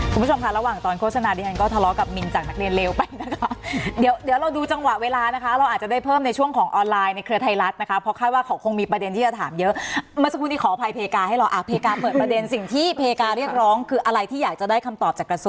คุณผู้ชมค่ะระหว่างตอนโฆษณาดิฉันก็ทะเลาะกับมินจากนักเรียนเร็วไปนะคะเดี๋ยวเดี๋ยวเราดูจังหวะเวลานะคะเราอาจจะได้เพิ่มในช่วงของออนไลน์ในเครือไทยรัฐนะคะเพราะคาดว่าเขาคงมีประเด็นที่จะถามเยอะเมื่อสักครู่นี้ขออภัยเพกาให้เราอ่ะเพกาเปิดประเด็นสิ่งที่เพกาเรียกร้องคืออะไรที่อยากจะได้คำตอบจากกระทรวง